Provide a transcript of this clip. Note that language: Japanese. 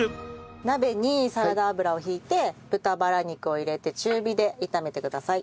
鍋にサラダ油を引いて豚バラ肉を入れて中火で炒めてください。